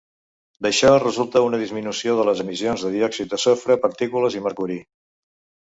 D'això resulta una disminució de les emissions de diòxid de sofre, partícules i mercuri.